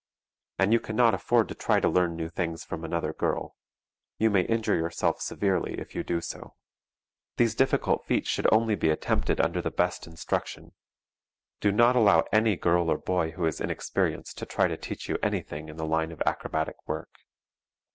And you cannot afford to try to learn things from another girl. You may injure yourself severely if you do. These difficult feats should only be attempted under the best instruction. Do not allow any girl or boy who is inexperienced to try to teach you anything in the line of acrobatic work.